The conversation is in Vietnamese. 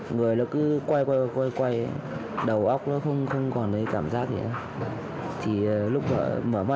người cứ quay quay quay quay đầu óc nó không còn cái cảm giác gì nữa thì lúc mở mắt nó nằm đây